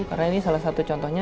karena ini salah satu contohnya